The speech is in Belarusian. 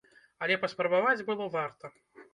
Але паспрабаваць было варта!